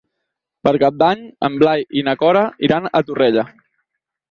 Per Cap d'Any en Blai i na Cora iran a Torrella.